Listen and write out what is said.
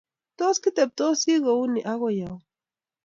Tos kiteptosi kou ni akoy auyo?